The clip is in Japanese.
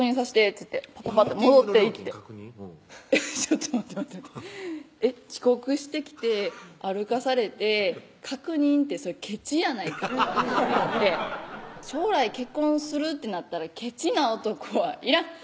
っつってパパパッて戻っていってちょっと待って待って待ってえっ遅刻してきて歩かされて確認ってそれケチやないかってなって将来結婚するってなったらケチな男はいらん！